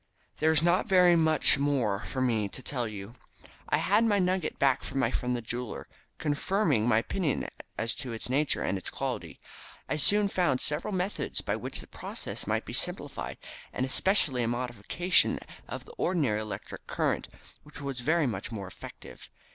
"There is not very much more for me to tell you. I had my nugget back from my friend the jeweller, confirming my opinion as to its nature and its quality. I soon found several methods by which the process might be simplified, and especially a modification of the ordinary electric current, which was very much more effective.